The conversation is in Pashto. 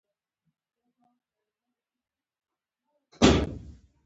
د ام دانه د څه لپاره وکاروم؟